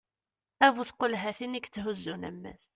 d bu tqulhatin i yetthuzzun ammas